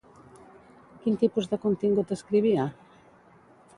Quin tipus de contingut escrivia?